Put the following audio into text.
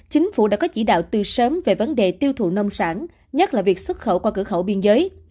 chính phủ đã có chỉ đạo từ sớm về vấn đề tiêu thụ nông sản nhất là việc xuất khẩu qua cửa khẩu biên giới